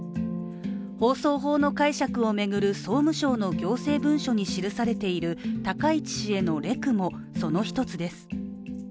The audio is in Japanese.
放送法の解釈を巡る総務省の行政文書に記されている高市氏へのレクも、その一つです。